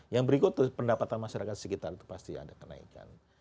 yang berikut pendapatan masyarakat sekitar itu pasti ada kenaikan